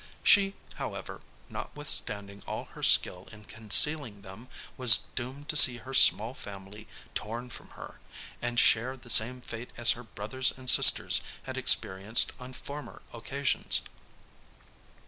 She however, notwithstanding all her skill in concealing them, was doomed to see her small family torn from her, and share the same fate as her brothers and sisters had experienced on former occasions.